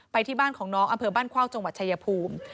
ที่บ้านของน้องอำเภอบ้านเข้าจังหวัดชายภูมิ